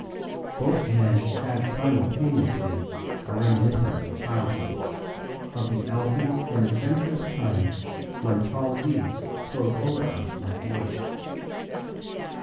Both men had simultaneously a reminiscence of childhood, of the elfin and adventurous time when tall weeds close over us like woods.